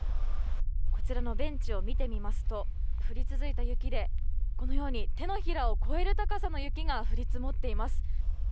こちらのベンチを見てみますと降り続いた雪で手のひらを超える高さの雪が降り積もっています。